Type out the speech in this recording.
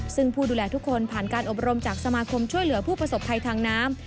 ซึ่งผู้ดูแลทุกคนผ่านการอบรมจากสมาคมช่วยเหลือผู้ประสบภัยทางน้ำ